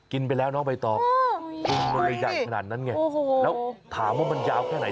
กินไปแล้วเนอะบ๊ายตอมมันอย่างนั้นไงแล้วถามว่ามันยาวแค่ไหน